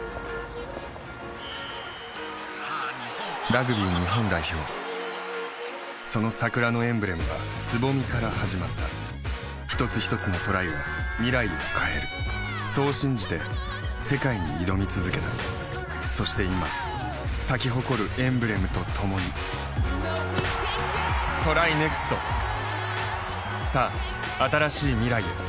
・ラグビー日本代表その桜のエンブレムは蕾から始まった一つひとつのトライが未来を変えるそう信じて世界に挑み続けたそして今咲き誇るエンブレムとともにＴＲＹＮＥＸＴさあ、新しい未来へ。